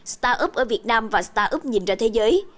startups ở việt nam và startups nhìn ra thế giới